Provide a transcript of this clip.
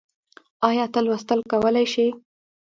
ايا ته لوستل کولی شې؟